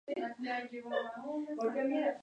Es llamada así debido a la abundancia de boj.